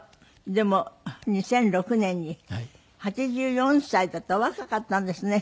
でも２００６年に８４歳だったお若かったんですね。